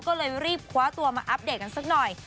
ก็เลยรีบคว้าตัวมาอัปเดตกันสักหน่อย